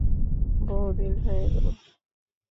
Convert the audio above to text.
বহুদিন হয়ে গেল।